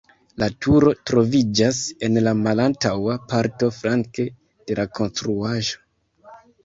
La turo troviĝas en la malantaŭa parto flanke de la konstruaĵo.